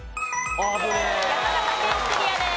山形県クリアです。